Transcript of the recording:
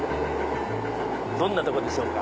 どんなとこでしょうか。